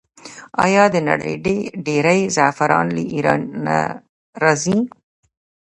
آیا د نړۍ ډیری زعفران له ایران نه راځي؟